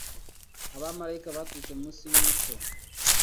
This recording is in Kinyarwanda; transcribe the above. Abamarayika baturutse mu isi y'umucyo